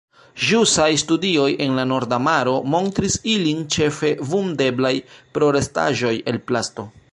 Ĵusaj studioj en la Norda Maro montris ilin ĉefe vundeblaj pro restaĵoj el plasto.